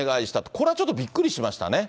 これはちょっとびっくりしましたね。